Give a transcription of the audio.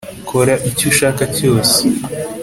kora icyo ushaka cyose